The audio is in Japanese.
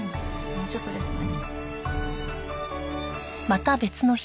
もうちょっとですね。